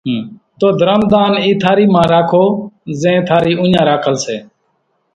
تو ڌرم ۮان اِي ٿارِي مان راکو زين ٿارِي اُوڃان راکل سي،